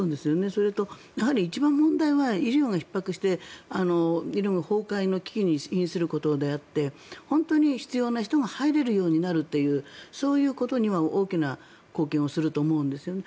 それと、一番問題は医療がひっ迫して医療が崩壊の危機にひんすることであって本当に必要な人が入れるようになるというそういうことには大きな貢献をすると思うんですよね。